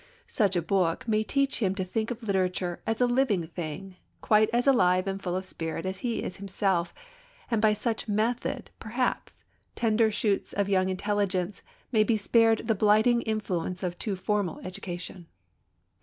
Such a book may teach him to think of literature as a living thing, quite as alive and full of spirit as he is himself, and by such method, perhaps, tender shoots of young intelligence may be spared the blighting influence of too formal education.